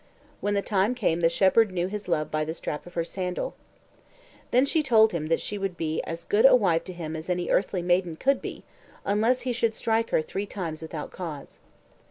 When the time came the shepherd knew his love by the strap of her sandal. Then she told him she would be as good a wife to him as any earthly maiden could be unless he should strike her three times without cause.